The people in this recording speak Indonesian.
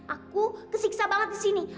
aku kesiksa banget disini